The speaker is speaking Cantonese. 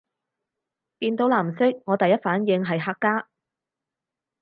見到藍色我第一反應係客家